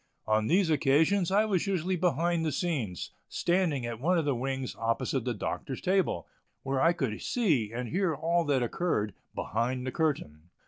On these occasions I was usually behind the scenes, standing at one of the wings opposite the Doctor's table, where I could see and hear all that occurred "behind the curtain."